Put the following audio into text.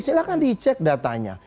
silahkan dicek datanya